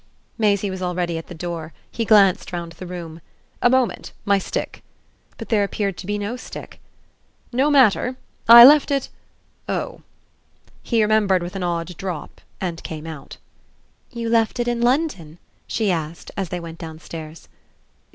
Maisie was already at the door; he glanced round the room. "A moment my stick." But there appeared to be no stick. "No matter; I left it oh!" He remembered with an odd drop and came out. "You left it in London?" she asked as they went downstairs.